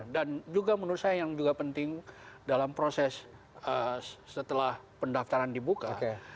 dan juga menurut saya yang juga penting dalam proses setelah pendaftaran dibuka